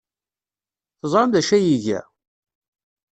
Teẓram d acu ay iga?